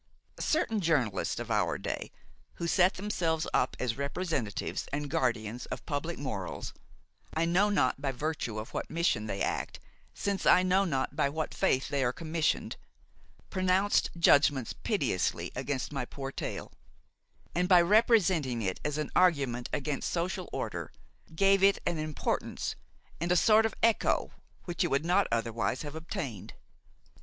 Certain journalists of our day who set themselves up as representatives and guardians of public morals–I know not by virtue of what mission they act, since I know not by what faith they are commissioned–pronounced judgment pitilessly against my poor tale, and, by representing it as an argument against social order, gave it an importance and a sort of echo which it would not otherwise have obtained.